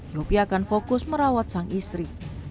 yopi akan fokus merawat sang istri